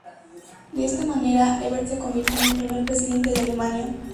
De esta manera, Ebert se convirtió en el primer Presidente de Alemania.